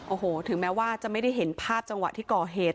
โอ้โหถึงแม้ว่าจะไม่ได้เห็นภาพจังหวะที่ก่อเหตุ